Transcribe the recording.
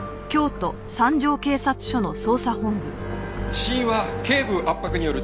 死因は頸部圧迫による窒息死。